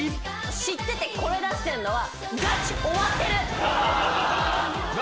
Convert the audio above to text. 知っててこれ出してんのは。